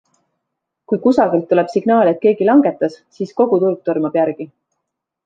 Kui kusagilt tuleb signaal, et keegi langetas, siis kogu turg tormab järgi.